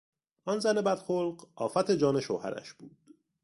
آن زن بد خلق آفت جان شوهرش بود.